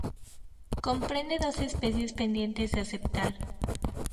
Comprende dos especies pendientes de aceptar.